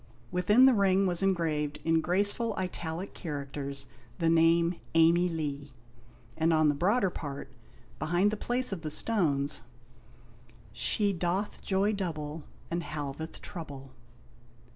Within the ring was engraved, in graceful italic characters, the name Amey Lee, and on the broader part, behind the place of the stones She doth joy double, And halveth trouble.